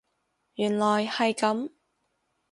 原來係噉